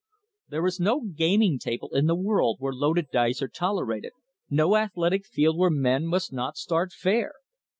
There is no gaming table in the world where loaded dice are tolerated, no athletic field where men must not start fair.